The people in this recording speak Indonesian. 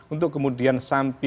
untuk kemudian sampai pilihan vonis